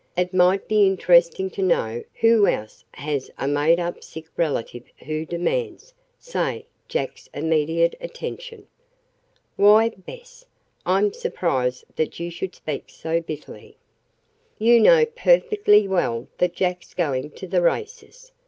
It might be interesting to know who else has a made up sick relative who demands, say, Jack's immediate attention." "Why, Bess! I'm surprised that you should speak so bitterly. You know perfectly well that Jack's going to the races.